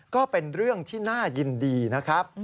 ก็เป็นเรื่องที่น่ายินดีนะครับ